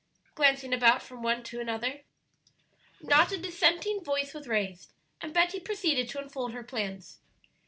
glancing about from one to another. Not a dissenting voice was raised, and Betty proceeded to unfold her plans.